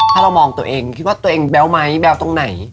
ถ้าเรามองตัวเองคิดว่าตัวเองแบ๊วไหมแบ๊วตรงไหน